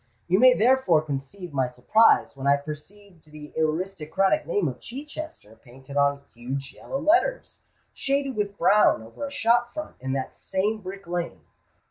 "You may therefore conceive my surprise when I perceived the aristocratic name of Chichester painted in huge yellow letters, shaded with brown, over a shop front in that same Brick Lane."